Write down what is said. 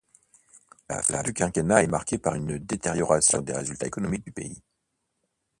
La fin du quinquennat est marquée par une détérioration des résultats économiques du pays.